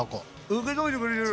受け止めてくれてる！